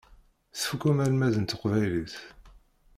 Tfukkem almad n teqbaylit?